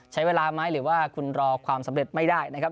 ใช้เวลาไหมหรือว่าคุณรอความสำเร็จไม่ได้นะครับ